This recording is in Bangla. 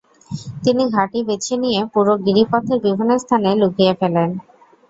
তিনি ঘাঁটি বেছে নিয়ে পুরো গিরিপথের বিভিন্ন স্থানে লুকিয়ে ফেলেন।